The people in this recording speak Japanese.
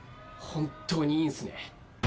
本当にいいんすね？